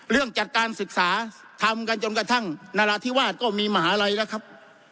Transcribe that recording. เรื่องจัดการศึกษาทำกันจนกระทั่งนราธิวาสก็มีมหาลัยแล้วครับ